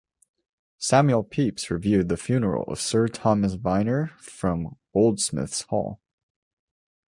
Samuel Pepys viewed the funeral of Sir Thomas Vyner from Goldsmiths' Hall.